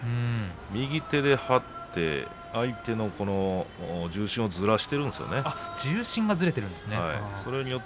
右手で張って相手の重心をずらしてるんですね。